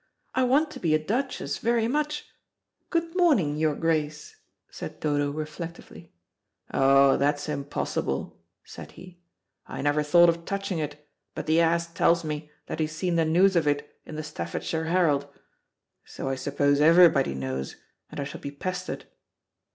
I want to be a duchess very much. Good morning, your grace," said Dodo reflectively. "Oh, that's impossible," said he. "I never thought of touching it, but the ass tells me that he's seen the news of it in the Staffordshire Herald. So I suppose everybody knows, and I shall be pestered."